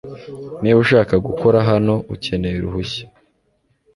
Niba ushaka gukora hano, ukeneye uruhushya.